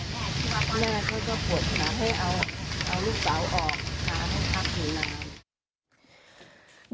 แม่เขาก็ปวดหนักให้เอาเอาลูกสาวออกนานทับอยู่นาน